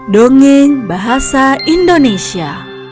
dongeng bahasa indonesia